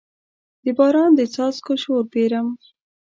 د باران د څاڅکو شور پیرم